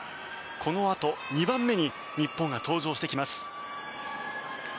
このあと２番目に日本が登場してきます。